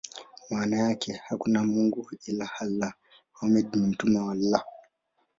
Maana yake ni: "Hakuna mungu ila Allah; Muhammad ni mtume wa Allah".